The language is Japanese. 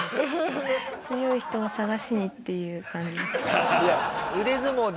強い人を探しにっていう感じ。